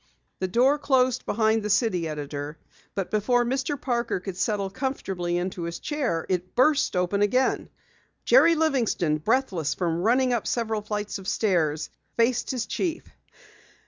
The door closed behind the city editor, but before Mr. Parker could settle comfortably into his chair, it burst open again. Jerry Livingston, breathless from running up several flights of stairs, faced his chief.